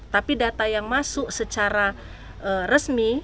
tapi data yang masuk secara resmi